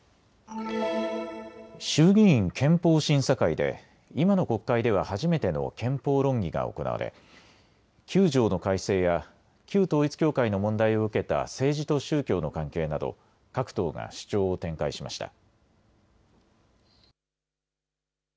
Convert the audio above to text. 衆議院憲法審査会で今の国会では初めての憲法論議が行われ９条の改正や旧統一教会の問題を受けた政治と宗教の関係など各党が主張を展開しました。